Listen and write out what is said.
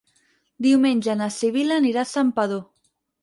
Diumenge na Sibil·la anirà a Santpedor.